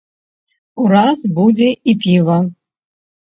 Ураз будзе і піва!